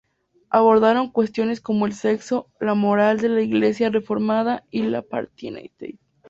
Abordaron cuestiones como el sexo, la moral de la iglesia reformada y el apartheid.